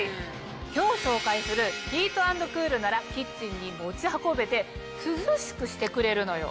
今日紹介する「ヒート＆クール」ならキッチンに持ち運べて涼しくしてくれるのよ。